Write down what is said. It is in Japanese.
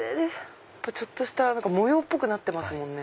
ちょっとした模様っぽくなってますもんね。